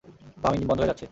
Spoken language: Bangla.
বাম ইঞ্জিন বন্ধ হয়ে যাচ্ছে।